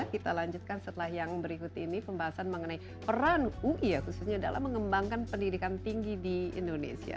kita lanjutkan setelah yang berikut ini pembahasan mengenai peran ui ya khususnya dalam mengembangkan pendidikan tinggi di indonesia